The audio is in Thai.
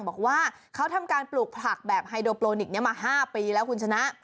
บอกว่าเขาทำการปลูกผักแบบไฮโดโปรนิกนี้มา๕ปีแล้วคุณชนะ